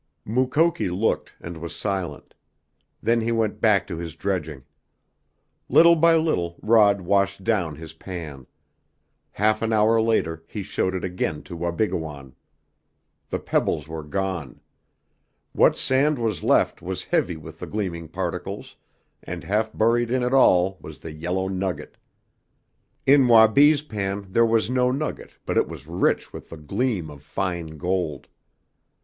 Mukoki looked, and was silent. Then he went back to his dredging. Little by little Rod washed down his pan. Half an hour later he showed it again to Wabigoon. The pebbles were gone. What sand was left was heavy with the gleaming particles, and half buried in it all was the yellow nugget! In Wabi's pan there was no nugget but it was rich with the gleam of fine gold.